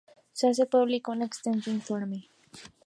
Se hace público un extenso informe